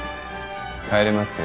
帰れますよ。